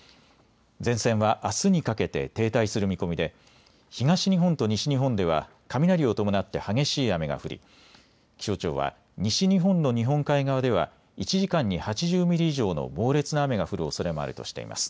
前線はあすにかけて停滞する見込みで東日本と西日本では雷を伴って激しい雨が降り気象庁は西日本の日本海側では１時間に８０ミリ以上の猛烈な雨が降るおそれもあるとしています。